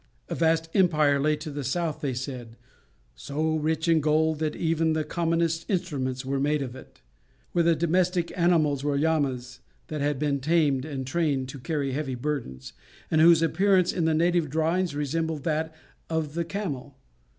A vast empire lay to the south, they said, "so rich in gold, that even the commonest instruments were made of it," where the domestic animals were llamas that had been tamed and trained to carry heavy burdens, and whose appearance in the native drawings resembled that of the camel.